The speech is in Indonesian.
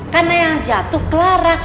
karena yang jatuh clara